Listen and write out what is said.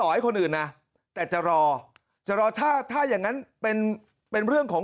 ให้คนอื่นนะแต่จะรอจะรอถ้าถ้าอย่างงั้นเป็นเป็นเรื่องของ